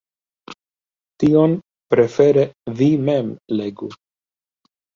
Tion prefere vi mem legu.